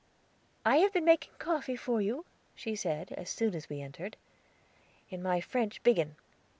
"I have been making coffee for you," she said, as soon as we entered, "in my French biggin.